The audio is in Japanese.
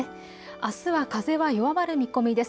あすは風は弱まる見込みです。